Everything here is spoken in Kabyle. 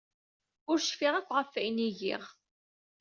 Ur cfiɣ akk ɣef wayen ay giɣ.